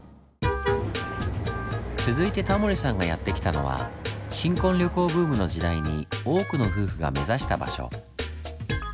続いてタモリさんがやって来たのは新婚旅行ブームの時代に多くの夫婦が目指した場所。